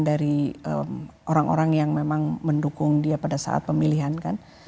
dari orang orang yang memang mendukung dia pada saat pemilihan kan